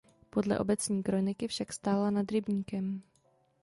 Podle obecní kroniky však stála nad rybníkem.